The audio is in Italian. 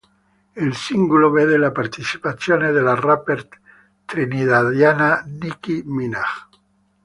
Il singolo vede la partecipazione della rapper trinidadiana Nicki Minaj.